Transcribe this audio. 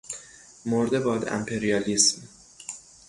مرده باد امپریالیسم!